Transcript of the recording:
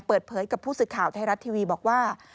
เปิดเผยกับผู้สื่อข่าวไทยรัฐทีวีบอกว่า